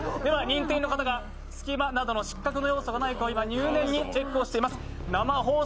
認定員の方が隙間など失格要素がないか今入念にチェックをしています。